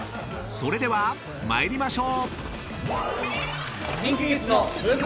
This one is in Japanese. ［それでは参りましょう！］